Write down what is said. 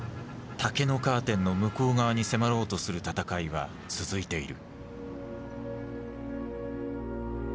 竹のカーテンの向こう側に迫ろうとする闘いは続いている。